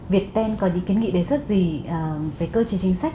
vietten có những kiến nghị đề xuất gì về cơ chế chính sách